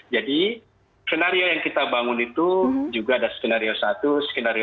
jadi skenario yang kita bangun itu juga ada skenario satu skenario dua